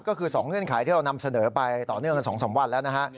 ก็คือ๒เงื่อนไขที่เรานำเสนอไปต่อเนื่องกัน๒๓วันแล้วนะฮะ